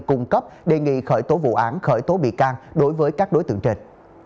cung cấp đề nghị khởi tố vụ án khởi tố bị can đối với các đối tượng trên